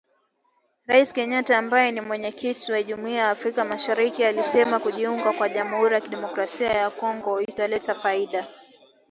Rais Kenyatta ambaye ni Mwenyekiti wa Jumuiya ya Afrika Mashariki alisema kujiunga kwa Jamhuri ya Kidemokrasia ya Kongo kutaleta faida